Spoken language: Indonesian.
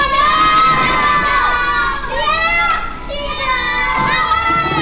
terang terang terang